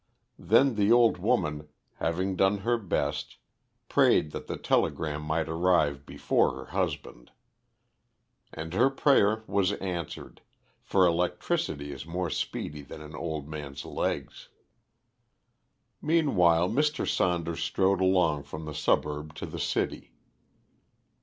Then the old woman, having done her best, prayed that the telegram might arrive before her husband; and her prayer was answered, for electricity is more speedy than an old man's legs. Meanwhile Mr. Saunders strode along from the suburb to the city.